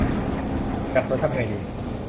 อยากสวยทำไงดี